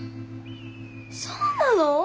そうなの？